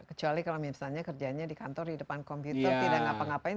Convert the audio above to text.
kecuali kalau misalnya kerjanya di kantor di depan komputer tidak ngapa ngapain